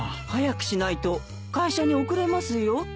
早くしないと会社に遅れますよ。